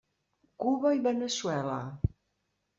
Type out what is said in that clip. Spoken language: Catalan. Cuba i Veneçuela.